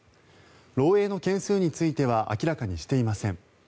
漏えいの件数については明らかにしていません。